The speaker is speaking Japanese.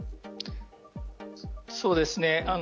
そうですね。